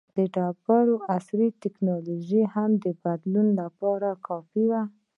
د ډبرې عصر ټکنالوژي هم د بدلون لپاره کافي وه.